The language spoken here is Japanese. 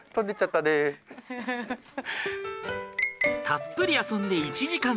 たっぷり遊んで１時間。